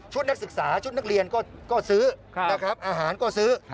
นักศึกษาชุดนักเรียนก็ซื้อนะครับอาหารก็ซื้อ